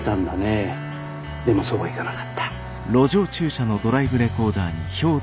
でもそうはいかなかった。